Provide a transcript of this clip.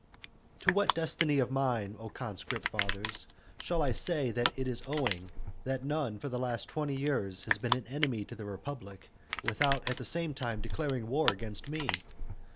I. To what destiny of mine, O conscript fathers, shall I say that it is owing, that none for the last twenty years has been an enemy to the republic without at the same time declaring war against me?